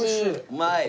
うまい！